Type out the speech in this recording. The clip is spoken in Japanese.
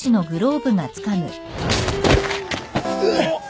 うっ！